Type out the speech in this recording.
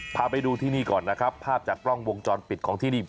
พาไปดูที่นี่ก่อนนะครับภาพจากกล้องวงจรปิดของที่นี่